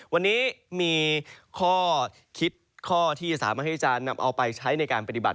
วันนี้มีข้อคิดข้อที่สามารถที่จะนำเอาไปใช้ในการปฏิบัติ